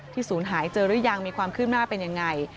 ศูนย์หายเจอหรือยังมีความคืบหน้าเป็นยังไง